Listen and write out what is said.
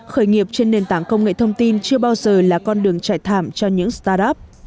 khởi nghiệp trên nền tảng công nghệ thông tin chưa bao giờ là con đường trải thảm cho những start up